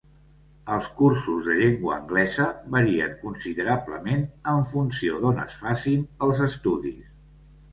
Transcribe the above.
Els cursos de llengua anglesa varien considerablement en funció d'on es facin els estudis.